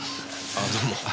あっどうも。